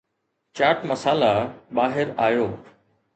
چاٽ مسالا ٻاهر آيو